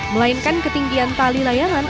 melainkan ketinggian tali layangan